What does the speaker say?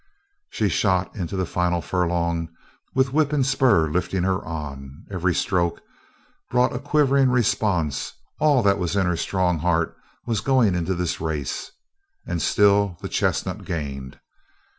She shot in to the final furlong with whip and spur lifting her on, every stroke brought a quivering response; all that was in her strong heart was going into this race. And still the chestnut gained.